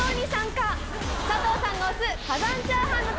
佐藤さんが推す。